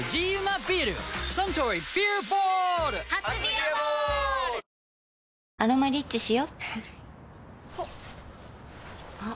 「アロマリッチ」しよ